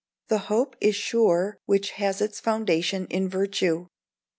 [THE HOPE IS SURE WHICH HAS ITS FOUNDATION IN VIRTUE.